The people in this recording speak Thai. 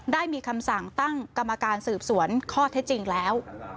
ได้มีคำสั่งตั้งกรรมการสืบสวนข้อเท็จจริงแล้ว